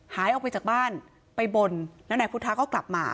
หายออกไปจากบ้านไปบนแล้วนายพุทธะก็กลับมา